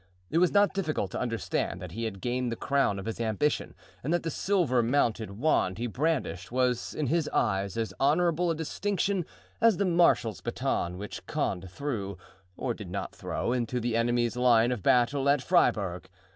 It was not difficult to understand that he had gained the crown of his ambition and that the silver mounted wand he brandished was in his eyes as honorable a distinction as the marshal's baton which Condé threw, or did not throw, into the enemy's line of battle at Fribourg.